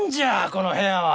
この部屋は！